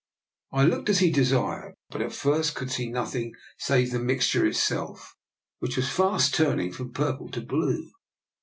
I looked as he desired, but at first could see nothing save the mixture itself, which was fast turning from purple to blue.